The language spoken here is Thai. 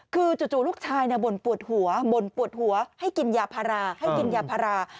คือจู่ลูกชายบ่นปวดหัวบ่นปวดหัวให้กินยาพารา